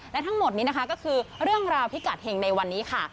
และทั้งหมดนี้นะคะก็คือเรื่องราวพิกัดเห็งในวันนี้ค่ะ